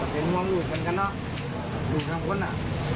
เป็นวงหลุดกันนะหลุดทั้งคนนะ